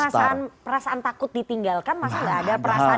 tapi perasaan takut ditinggalkan masih gak ada